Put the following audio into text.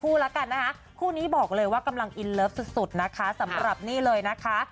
ละกันนะคะคู่นี้บอกเลยว่ากำลังอินเลิฟสุดสุดนะคะสำหรับนี่เลยนะคะ